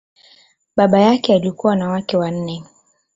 Baba yake alikuwa na wake wanne.